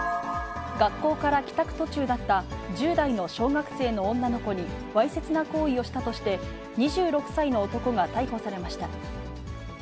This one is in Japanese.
学校から帰宅途中だった１０代の小学生の女の子に、わいせつな行為をしたとして、２６歳の男が逮捕されました。